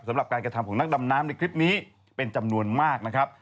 สำหรับการกระทำของนักดำน้ำในคลิปนี้เป็นจำนวนมากนะครับ